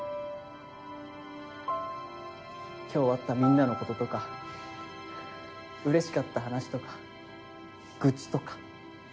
今日あったみんなのこととかうれしかった話とか愚痴とか。